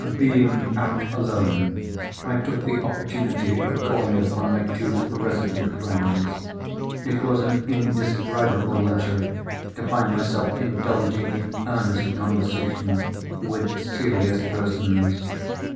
Being out alone, I took the opportunity of calling upon my two resident friends. It was an indescribable luxury to find myself indulging in earnest conversation with serious persons.